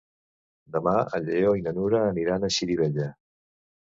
Demà en Lleó i na Nura aniran a Xirivella.